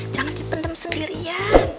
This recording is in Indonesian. jangan dipendam sendirian